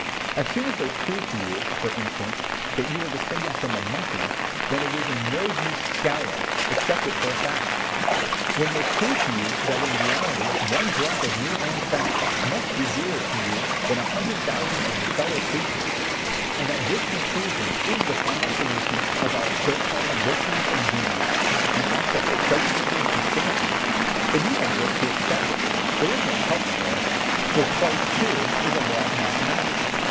As soon as they prove to you, for instance, that you are descended from a monkey, then it is no use scowling, accept it for a fact. When they prove to you that in reality one drop of your own fat must be dearer to you than a hundred thousand of your fellow creatures, and that this conclusion is the final solution of all so called virtues and duties and all such prejudices and fancies, then you have just to accept it, there is no help for it, for twice two is a law of mathematics.